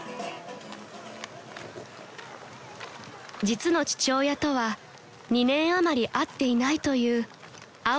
［実の父親とは２年余り会っていないというあ